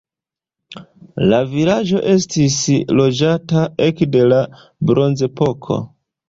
La vilaĝo estis loĝata ekde la bronzepoko.